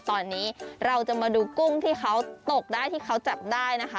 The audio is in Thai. ตอนนี้เราจะมาดูกุ้งที่เขาตกได้ที่เขาจับได้นะคะ